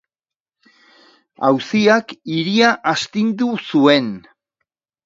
Auziak hiria astindu zuen.